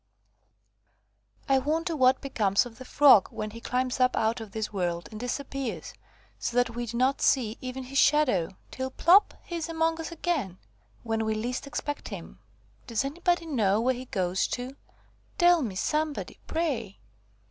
"I WONDER what becomes of the Frog, when he climbs up out of this world, and disappears, so that we do not see even his shadow; till, plop! he is among us again, when we least expect him. Does anybody know where he goes to? Tell me, somebody, pray!"